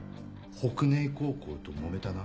北根壊高校ともめたな？